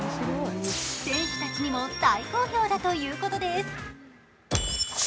選手たちにも大好評だということです。